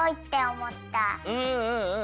うんうんうん。